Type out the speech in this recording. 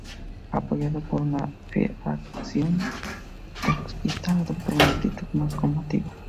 Apoyado por una facción trotskista, adoptó una actitud más combativa.